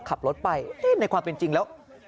ขับรถไปในความเป็นจริงแล้ว